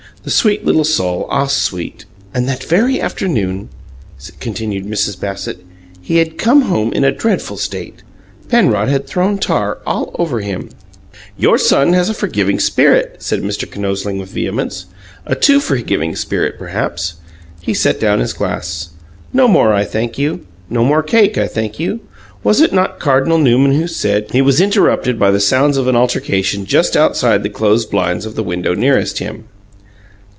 The sweet little soul! Ah, SWEET!" "And that very afternoon," continued Mrs. Bassett, "he had come home in a dreadful state. Penrod had thrown tar all over him." "Your son has a forgiving spirit!" said Mr. Kinosling with vehemence. "A too forgiving spirit, perhaps." He set down his glass. "No more, I thank you. No more cake, I thank you. Was it not Cardinal Newman who said " He was interrupted by the sounds of an altercation just outside the closed blinds of the window nearest him.